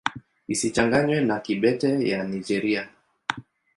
Isichanganywe na Kibete ya Nigeria.